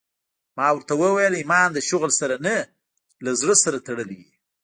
ما ورته وويل ايمان له شغل سره نه له زړه سره تړلى وي.